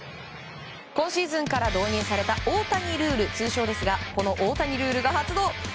今シーズンから導入された大谷ルール通称ですがこの大谷ルールが発動。